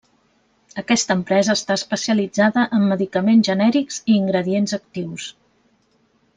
Aquesta empresa està especialitzada en medicaments genèrics i ingredients actius.